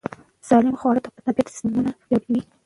سالم خواړه د بدن طبیعي سیستمونه پیاوړي ساتي.